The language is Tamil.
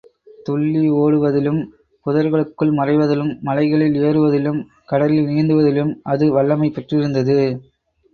துள்ளி ஒடுவதிலும், புதர்களுக்குள் மறைவதிலும் மலைகளில் ஏறுவதிலும், கடலில் நீந்துவதிலும் அது வல்லமை பெற்றிருந்தது.